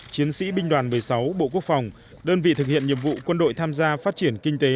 chiến sĩ binh đoàn một mươi sáu bộ quốc phòng đơn vị thực hiện nhiệm vụ quân đội tham gia phát triển kinh tế